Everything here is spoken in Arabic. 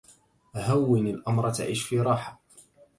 هون الأمر تعش في راحة